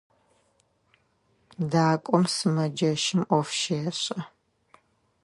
Дакӏом сымэджэщым ӏоф щешӏэ.